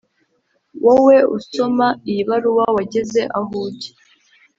wowe usoma iyi baruwa wageze aho ujya,